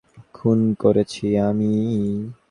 আমার বাবা যখন মাতাল ছিলো আমি তাকে বলেছিলাম ফুফুকে কে খুন করেছে।